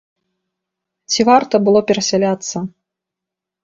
Ці варта было перасяляцца?